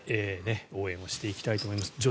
応援をしていきたいと思います。